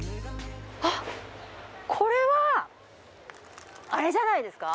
これは、あれじゃないですか？